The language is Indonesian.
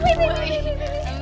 aku rindu kamu bambang